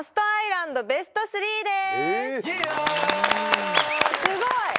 すごい！